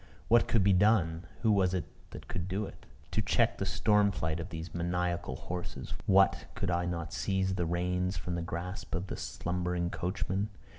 What could be done who was it that could do it to check the storm flight of these maniacal horses? What! could I not seize the reins from the grasp of the slumbering coachman?